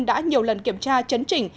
đã nhiều lần kiểm tra chấn trình